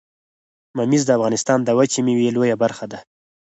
ممیز د افغانستان د وچې میوې لویه برخه ده